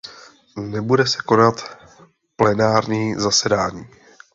Nebude se konat plenární zasedání.